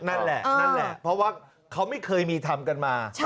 นั่นแหละนั่นแหละเพราะว่าเขาไม่เคยมีทำกันมา